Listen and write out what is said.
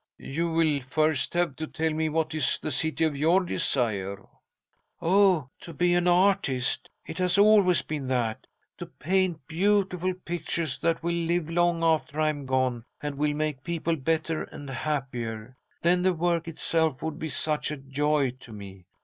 "You will first have to tell me what is the City of your Desire." "Oh, to be an artist! It has always been that. To paint beautiful pictures that will live long after I am gone, and will make people better and happier. Then the work itself would be such a joy to me.